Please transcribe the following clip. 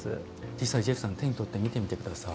実際ジェフさん手に取って見てみてください。